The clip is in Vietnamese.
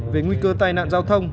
về nguy cơ tai nạn giao thông